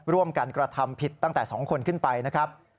ร่วมกันกระทำผิดตั้งแต่๒คนขึ้นไปนะครับ